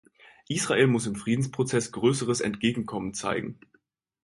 Israel muss im Friedensprozess größeres Entgegenkommen zeigen.